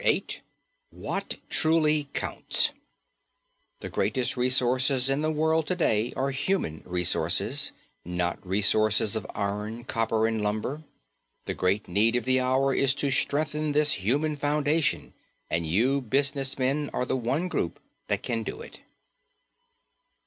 VIII WHAT TRULY COUNTS The greatest resources in the world to day are human resources, not resources of iron, copper and lumber. The great need of the hour is to strengthen this human foundation and you business men are the one group that can do it.